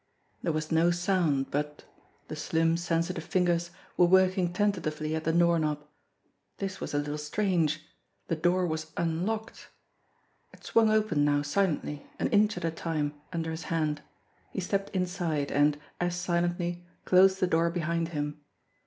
There was no sound, but the slim, sensitive fingers were working tentatively at me doorknob this was a little strange. The door was un locked ! It swung open now silently, an inch at a time, under his hand. He stepped inside and, as silently, closed the door behind him.